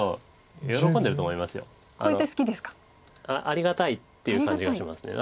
ありがたいっていう感じがします。